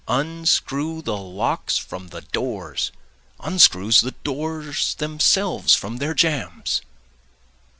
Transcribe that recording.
Unscrew the locks from the doors! Unscrew the doors themselves from their jambs!